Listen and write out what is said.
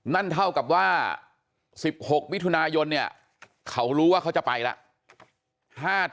นั่นเท่ากับว่า๑๖มิถุนายนเนี่ยเขารู้ว่าเขาจะไปแล้ว